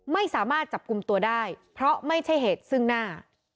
ไม่สามารถจับกลุ่มตัวได้เพราะไม่ใช่เหตุซึ่งหน้า